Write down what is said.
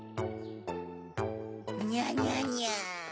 ニャニャニャ。